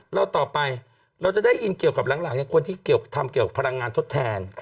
เราต่อไปเราจะได้ยินเกี่ยวกับหลังคนที่ทำเกี่ยวกับพลังงานทดแทน